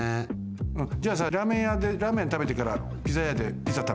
じゃあさラーメンやでラーメンたべてからピザやでピザたべよ！